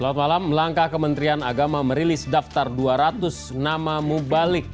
selamat malam langkah kementerian agama merilis daftar dua ratus nama mubalik